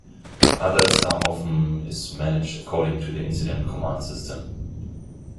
Others are often is managed according to the Incident Command System.